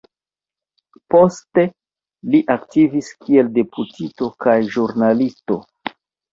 Poste li aktivis kiel deputito kaj ĵurnalisto.